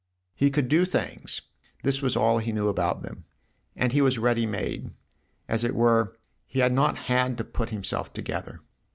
He could do things this was all he knew about them ; and he was ready made, as it were he had not had to put himself together.